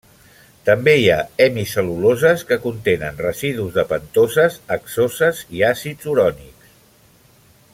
També hi ha hemicel·luloses que contenen residus de pentoses, hexoses i àcids urònics.